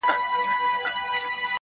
ګړی وروسته غویی پروت اندام اندام وو -